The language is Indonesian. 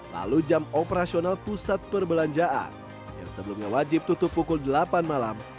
lalu jam operasional pusat perbelanjaan yang sebelumnya wajib tutup pukul delapan malam